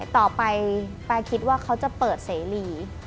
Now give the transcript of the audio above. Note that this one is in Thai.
ต่อไปแป๊คิดว่าเขาจะเปิดเสรี